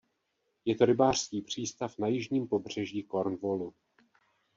Je to rybářský přístav na jižním pobřeží Cornwallu.